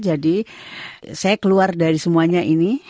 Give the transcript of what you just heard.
jadi saya keluar dari semuanya ini